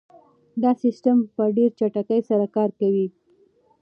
دا سیسټم په ډېره چټکۍ سره کار کوي.